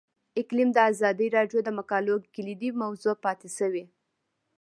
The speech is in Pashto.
اقلیم د ازادي راډیو د مقالو کلیدي موضوع پاتې شوی.